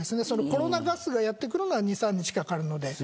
コロナガスがやってくるのは２、３日かかるので。